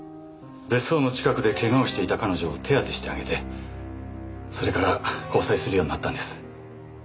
別荘の近くでケガをしていた彼女を手当てしてあげてそれから交際するようになったんです。